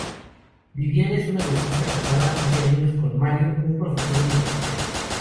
Viviana es una dentista casada hace años con Mario, un profesor universitario.